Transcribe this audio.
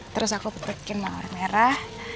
terus aku bikin mawar merah